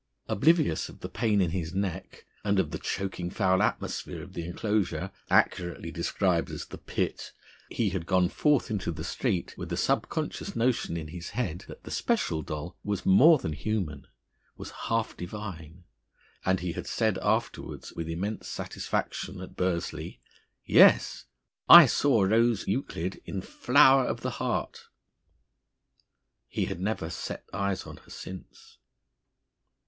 Oblivious of the pain in his neck, and of the choking foul atmosphere of the enclosure, accurately described as the pit, he had gone forth into the street with a subconscious notion in his head that the special doll was more than human, was half divine. And he had said afterwards, with immense satisfaction, at Bursley: "Yes, I saw Rose Euclid in 'Flower of the Heart.'" He had never set eyes on her since.